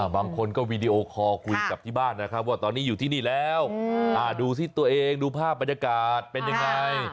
บางคนก็วีดีโอคอลคุยกับที่บ้านนะครับว่าตอนนี้อยู่ที่นี่แล้วดูสิตัวเองดูภาพบรรยากาศเป็นยังไง